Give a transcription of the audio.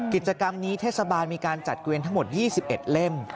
กิจกรรมนี้เทศบาลมีการจัดเกวียนทั้งหมด๒๑เล่ม